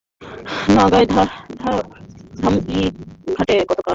নওগাঁর ধামইরহাটে গতকাল শনিবার দরিদ্র রোগীদের জন্য বিনা মূল্যে চক্ষুশিবিরের আয়োজন করা হয়।